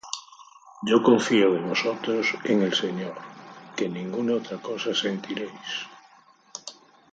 Yo confío de vosotros en el Señor, que ninguna otra cosa sentiréis: